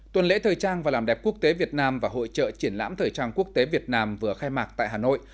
tuần lễ thời trang và làm đẹp quốc tế việt nam và hội trợ triển lãm thời trang quốc tế việt nam vừa khai mạc tại hà nội